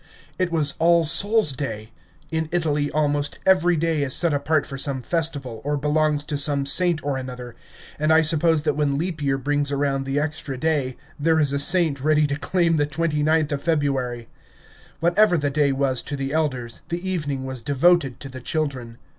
It was All Souls' Day. In Italy almost every day is set apart for some festival, or belongs to some saint or another, and I suppose that when leap year brings around the extra day, there is a saint ready to claim the 29th of February. Whatever the day was to the elders, the evening was devoted to the children.